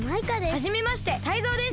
はじめましてタイゾウです。